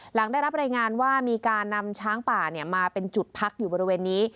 หลังได้รับรายงานว่ามีการนำช้างป่ามาเป็นจุดพักอยู่บริเวณนี้